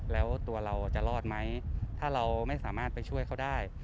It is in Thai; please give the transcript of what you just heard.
แล้วตัวเราจะรอดไหมถ้าเราไม่สามารถไปช่วยเขาได้